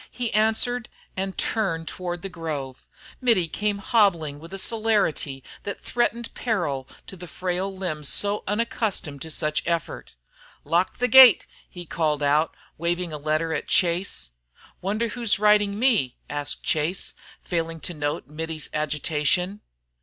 He answered and turned toward the grove. Mittie came hobbling with a celerity that threatened peril to the frail limbs so unaccustomed to such effort. "Lock the gate!" he called out, waving a letter at Chase. "Wonder who's writing me?" asked Chase, failing to note Mittie's agitation.